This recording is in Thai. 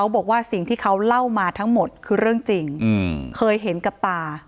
บอกว่าสิ่งที่เขาเล่ามาทั้งหมดคือเรื่องจริงเคยเห็นกับตา